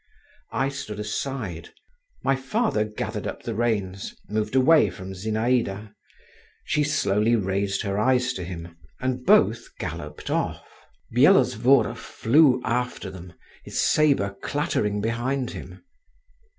I stood aside. My father gathered up the reins, moved away from Zinaïda, she slowly raised her eyes to him, and both galloped off … Byelovzorov flew after them, his sabre clattering behind him.